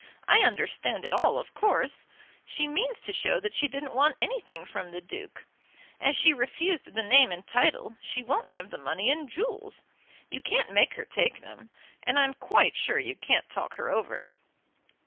I understand it all, of course. She means to show that she didn't want anything from the Duke. As she refused the name and title, she won't have the money and jewels. You can't make her take them, and I'm quite sure you can't talk her over."